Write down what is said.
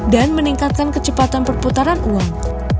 dan meningkatkan kecepatan perputaran uang